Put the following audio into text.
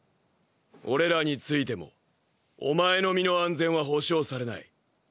俺らに付いてもお前の身の安全は保証されない。